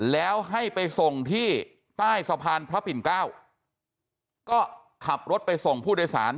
แล้วให้ไปส่งที่ใต้สะพานพระปิ่นเกล้าก็ขับรถไปส่งผู้โดยสาร